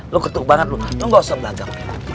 lo ketuk banget lo lo gak usah berlagak